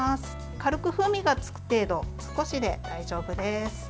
軽く風味がつく程度少しで大丈夫です。